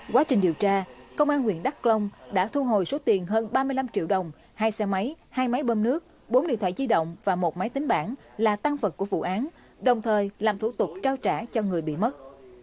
quá trình điều tra công an huyện đắk long đã thu hồi số tiền hơn ba mươi năm triệu đồng hai xe máy hai máy bơm nước bốn điện thoại di động và một máy tính bản là tăng vật của vụ án đồng thời làm thủ tục trao trả cho người bị mất